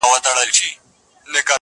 o چي شپه تېره سي، خبره هېره سي!